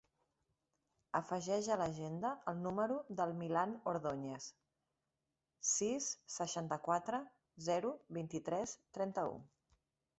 Afegeix a l'agenda el número del Milan Ordoñez: sis, seixanta-quatre, zero, vint-i-tres, trenta-u.